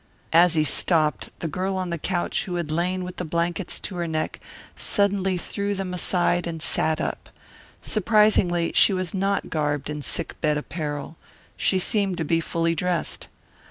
As he stopped, the girl on the couch who had lain with the blankets to her neck suddenly threw them aside and sat up. Surprisingly she was not garbed in sick bed apparel. She seemed to be fully dressed.